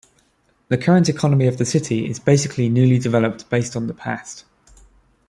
The current economy of the city is basically newly developed based on the past.